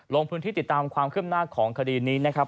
ลงพื้นที่ติดตามความคืบหน้าของคดีนี้นะครับ